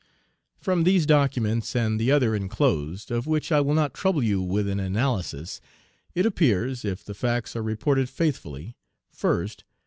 From these documents and the other enclosed, of which I will not trouble you with an analysis, it appears, if the facts are reported faithfully, 1st.